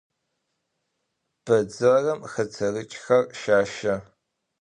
Bedzerım xeterıç'xer şaşe.